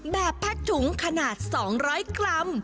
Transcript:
แบบผ้าถุงขนาด๒๐๐กรัม